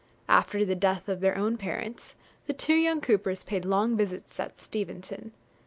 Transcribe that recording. After the death of their own parents, the two young Coopers paid long visits at Steventon.